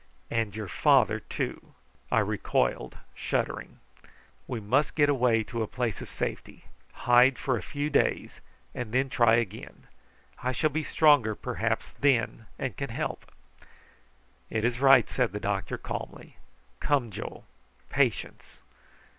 "And your father too." I recoiled shuddering. "We must get away to a place of safety, hide for a few days, and then try again. I shall be stronger perhaps then, and can help." "It is right," said the doctor calmly. "Come, Joe. Patience!"